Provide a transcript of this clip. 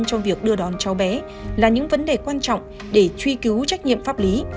trong việc đưa đón cháu bé là những vấn đề quan trọng để truy cứu trách nhiệm pháp lý